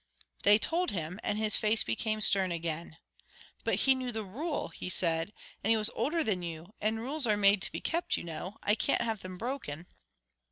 They told him, and his face became stern again. "But he knew the rule," he said, "and he was older than you; and rules are made to be kept, you know. I can't have them broken."